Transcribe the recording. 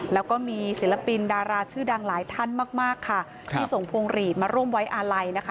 แล้วก็มีศิลปินดาราชื่อดังหลายท่านมากมากค่ะที่ส่งพวงหลีดมาร่วมไว้อาลัยนะคะ